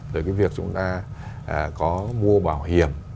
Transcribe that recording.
rồi cái việc chúng ta có mua bảo hiểm